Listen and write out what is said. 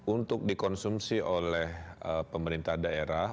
untuk dikonsumsi oleh pemerintah daerah